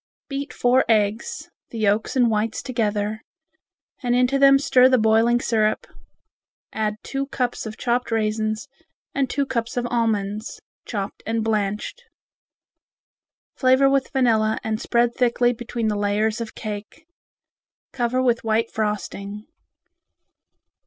Beat four eggs, the yolks and whites together, and into them stir the boiling syrup, add two cups of chopped raisins and two cups of almonds, chopped and blanched. Flavor with vanilla and spread thickly between the layers of cake. Cover with white frosting.